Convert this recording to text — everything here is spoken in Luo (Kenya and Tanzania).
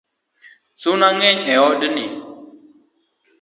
Suna ngeny e od ni